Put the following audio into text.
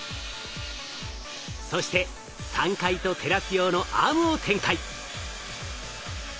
そして３階とテラス用のアームを展開。